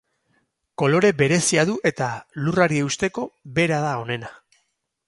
Kolore berezia du eta lurrari eusteko bera da onena.